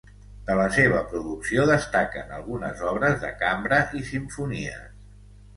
De la seva producció destaquen algunes obres de cambra i simfonies.